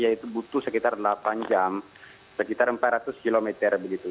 yaitu butuh sekitar delapan jam sekitar empat ratus km begitu